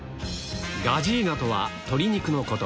ガジーナとは鶏肉のこと